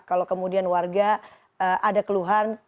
kalau kemudian warga ada keluhan